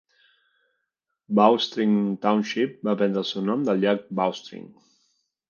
Bowstring Township va prendre el seu nom del llac Bowstring.